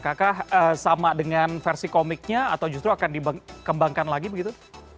kakak sama dengan versi komiknya atau justru akan dikembangkan lagi begitu